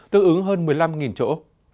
tương ứng hơn một mươi năm chỗ